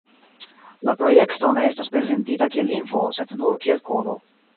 La projekto ne estas prezentita kiel lingvo, sed nur kiel "kodo".